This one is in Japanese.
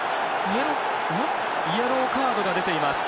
イエローカードが出ています。